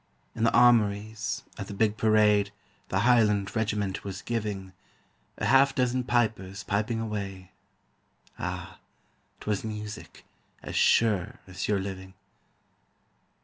In the armories, at the big parade The highland regiment was giving, A half dozen pipers piping away Ah! 'twas music, as sure as your living.